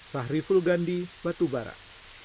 sahri fulgandi batu barat